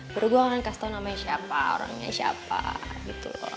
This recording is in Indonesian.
baru gue akan kasih tau namanya siapa orangnya siapa gitu loh